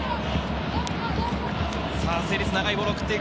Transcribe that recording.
成立、長いボールを送っていく。